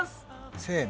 せの？